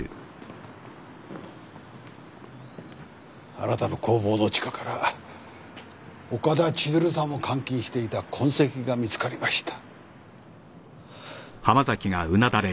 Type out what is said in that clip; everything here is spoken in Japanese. あなたの工房の地下から岡田千鶴さんを監禁していた痕跡が見つかりました。